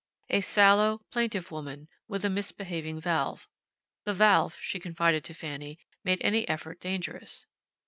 A sallow, plaintive woman, with a misbehaving valve. The valve, she confided to Fanny, made any effort dangerous.